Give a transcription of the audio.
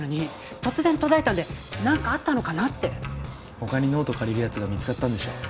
他にノート借りるヤツが見つかったんでしょ。